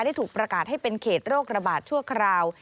ถูกประกาศให้เป็นเขตโรคระบาดชั่วคราว